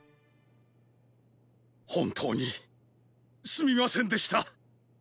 ほんとうにすみませんでした。